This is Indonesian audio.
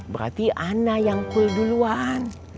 berarti anak yang perlu duluan